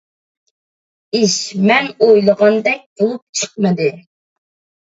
ئىش مەن ئويلىغاندەك بولۇپ چىقمىدى.